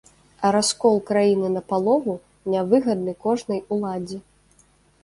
А раскол краіны напалову нявыгадны кожнай уладзе.